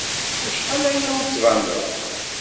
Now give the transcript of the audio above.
Acḥal aya ur d-tbaneḍ.